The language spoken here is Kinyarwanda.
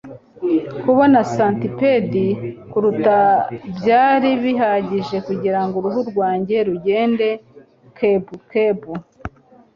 kubona centipede kurukuta byari bihagije kugirango uruhu rwanjye rugende. (kebukebu